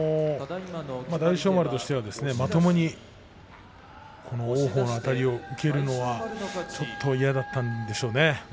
大翔丸としては、まともにこの王鵬のあたりを受けるのはちょっと嫌だったんでしょうね。